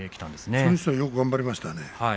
それにしてはよく頑張りましたね。